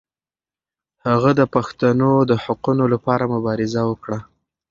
هغه د پښتنو د حقونو لپاره مبارزه وکړه.